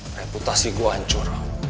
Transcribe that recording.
reputasi gue hancur